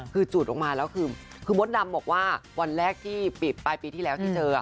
คือจุดออกมาแล้วคือมดดำบอกว่าวันแรกที่ปลายปีที่แล้วที่เจอ